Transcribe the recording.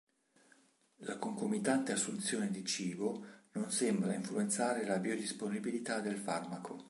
La concomitante assunzione di cibo non sembra influenzare la biodisponibilità del farmaco.